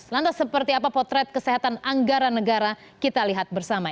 lantas seperti apa potret kesehatan anggaran negara kita lihat bersama